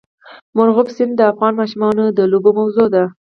مورغاب سیند د افغان ماشومانو د لوبو موضوع ده.